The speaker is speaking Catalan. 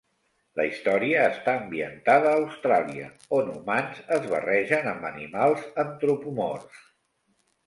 La història està ambientada a Austràlia on humans es barregen amb animals antropomorfs.